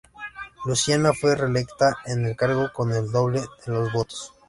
Luciana fue reelecta en el cargo con el doble de los votos.